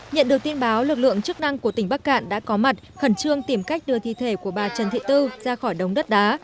nhận được tin báo lực lượng chức năng của tỉnh bắc cạn đã có mặt khẩn trương tìm cách đưa thi thể của bà trần thị tư ra khỏi đống đất đá